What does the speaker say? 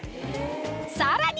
さらに！